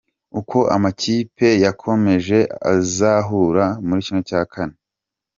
Uko amakipe yakomeje azahura muri ¼.